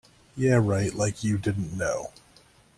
Yeah, right, like you didn't know!